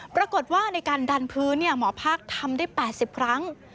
ปรากฏว่าในการดันพื้นเนี่ยหมอภาคทำได้แปดสิบครั้ง